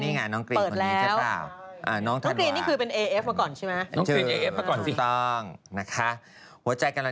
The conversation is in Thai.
เปิดแล้วน้องกรีนคนนี้จะเปล่า